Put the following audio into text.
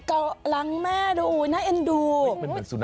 เก้ารั้งแม่ดูอุ๊ยน่าเอนดู